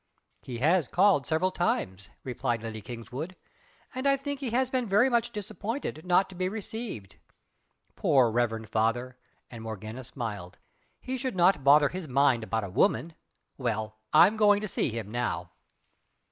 "He has called several times" replied Lady Kingswood "and I think he has been very much disappointed not to be received." "Poor reverend Father!" and Morgana smiled "He should not bother his mind about a woman! Well! I'm going to see him now."